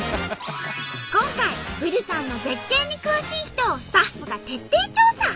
今回富士山の絶景に詳しい人をスタッフが徹底調査。